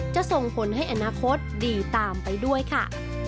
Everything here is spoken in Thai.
จะส่งผลให้อนาคตดีตามไปด้วยค่ะ